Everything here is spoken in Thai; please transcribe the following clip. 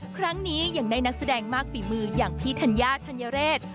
ครั้งนี้ยังได้นักแสดงมากฝีมืออย่างพี่ธัญญาธัญเรศ